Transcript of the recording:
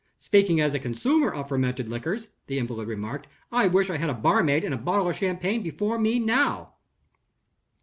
"Speaking as a consumer of fermented liquors," the invalid remarked, "I wish I had a barmaid and a bottle of champagne before me now."